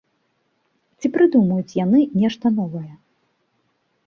Ці прыдумаюць яны нешта новае?